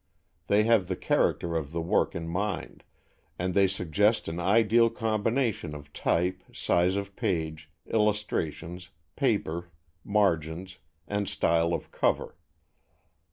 They have the character of the work in mind, and they suggest an ideal combination of type, size of page, illustrations, paper, margins and style of cover.